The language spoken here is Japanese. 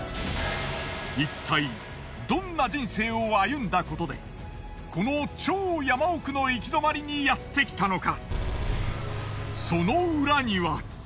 いったいどんな人生を歩んだことでこの超山奥の行き止まりにやってきたのか？